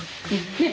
ねっ？